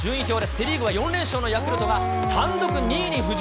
セ・リーグは４連勝のヤクルトが、単独２位に浮上。